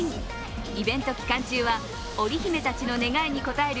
イベント期間中はオリ姫たちの願いに応える